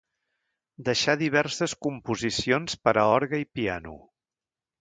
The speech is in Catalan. Deixà diverses composicions per a orgue i piano.